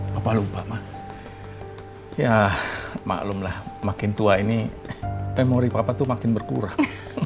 papa lupa ma ya maklumlah makin tua ini memori papa itu makin berkurang